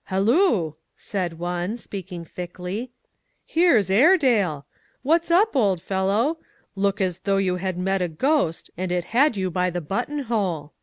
" Halloo," snid one, speaking thickly, "here's Airedale. What's up, old fellow? Look as though you had met a ghost, and it had you by the buttonhole."